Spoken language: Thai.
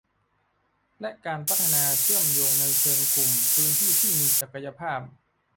และการพัฒนาเชื่อมโยงในเชิงกลุ่มพื้นที่ที่มีศักยภาพ